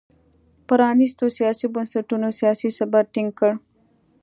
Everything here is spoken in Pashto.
پرانیستو سیاسي بنسټونو سیاسي ثبات ټینګ کړ.